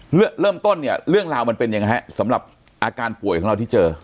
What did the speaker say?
เริ่มต้นเนี่ยเรื่องราวมันเป็นยังไงฮะสำหรับอาการป่วยของเราที่เจอ